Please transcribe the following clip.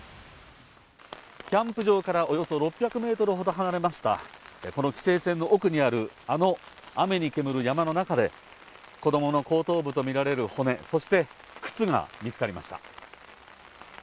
キャンプ場からおよそ６００メートルほど離れました、この規制線の奥にある、あの雨に煙る山の中で、子どもの後頭部と見られる骨、そして靴が見つかりました。